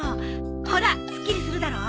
ほらすっきりするだろ？